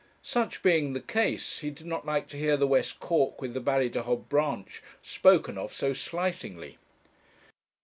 Such being the case, he did not like to hear the West Cork with the Ballydehob branch spoken of so slightingly.